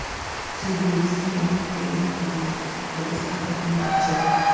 Two grave stelae bearing her name were discovered near her tomb.